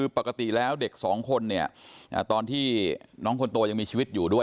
ปกติแล้วเด็กสองคนเนี่ยตอนที่น้องคนโตยังมีชีวิตอยู่ด้วย